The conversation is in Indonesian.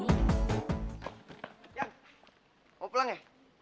yang mau pulang ya